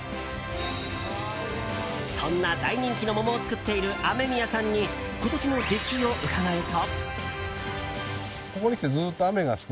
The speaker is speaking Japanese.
そんな大人気の桃を作っている雨宮さんに今年の出来を伺うと。